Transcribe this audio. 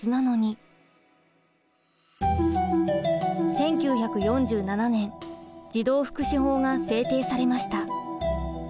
１９４７年児童福祉法が制定されました。